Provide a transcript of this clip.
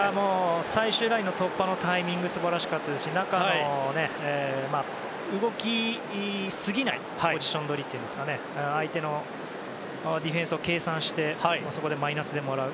最終ラインの突破のタイミングも素晴らしかったですし中の動きすぎないポジション取りというか相手のディフェンスを計算してそこでマイナスでもらう。